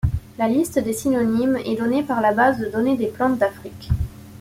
La liste des synonymes est donnée par la base de données des plantes d'Afrique.